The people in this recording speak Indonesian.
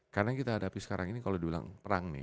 karena kita hadapi sekarang ini kalau di bilang perang nih